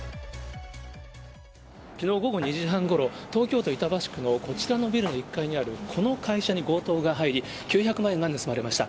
きのう午後２時半ごろ、東京都板橋区のこちらのビルの１階にあるこの会社に強盗が入り、９００万円が盗まれました。